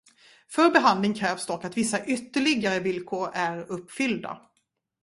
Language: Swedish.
För behandling krävs dock att vissa ytterligare villkor är uppfyllda.